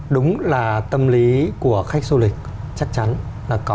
đúng là tâm lý của khách du lịch chắc chắn là có